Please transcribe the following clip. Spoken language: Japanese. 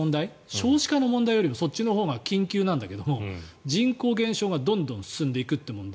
少子化よりもそっちのほうが緊急なんだけど人口減少がどんどん進んでいくっていう問題。